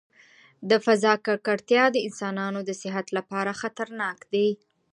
د فضا ککړتیا د انسانانو د صحت لپاره خطرناک دی.